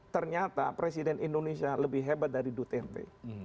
ternyata presiden indonesia lebih hebat dari duterte